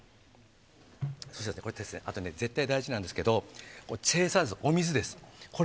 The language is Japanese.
あと、絶対大事なんですがチェイサーです、お水です。